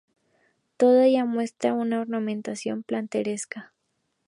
Toda ella muestra una ornamentación plateresca.